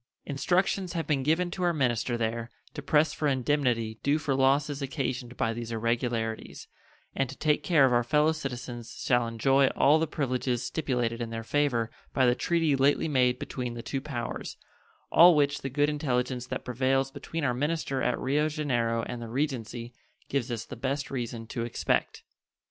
Instructions have been given to our minister there to press for indemnity due for losses occasioned by these irregularities, and to take care of our fellow citizens shall enjoy all the privileges stipulated in their favor by the treaty lately made between the two powers, all which the good intelligence that prevails between our minister at Rio Janeiro and the Regency gives us the best reason to expect.